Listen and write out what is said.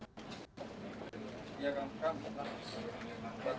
insiden peluru nyasar yang terjadi ke ruangan anggota dpr